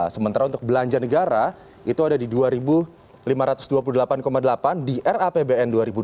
sementara untuk belanja negara itu ada di dua lima ratus dua puluh delapan delapan di rapbn dua ribu dua puluh